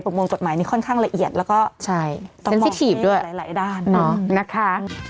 ประมวลกฎหมายมีค่อนข้างละเอียดแล้วก็ต้องบอกให้หลายด้านนะคะ